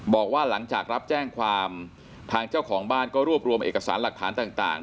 บอกว่าหลังจากรับแจ้งความทางเจ้าของบ้านก็รวบรวมเอกสารหลักฐานต่าง